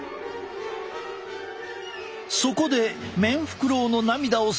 そこでメンフクロウの涙を採取。